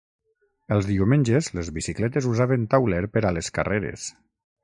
Els diumenges, les bicicletes usaven tauler per a les carreres.